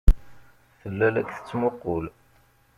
Tella la k-tettmuqqul.